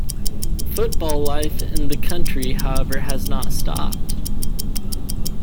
Football life in the country however has not stopped.